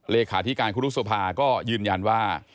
เลขาธิการครูรุษภาก็ยืนยันว่า